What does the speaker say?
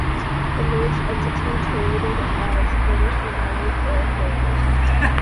The merged entity traded as British United Air Ferries.